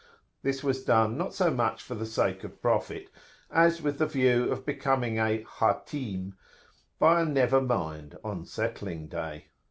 This was done, not so much for the sake of profit, as with the view of becoming a Hatim,[FN#3] by a "never mind" on settling day.